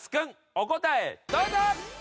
お答えどうぞ！